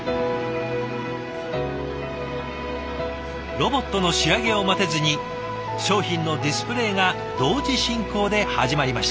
ロボットの仕上げを待てずに商品のディスプレーが同時進行で始まりました。